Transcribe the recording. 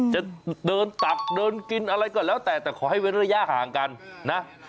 จะเดินตักเดินกินอะไรก็แล้วแต่แต่ขอให้เว้นระยะห่างกันนะ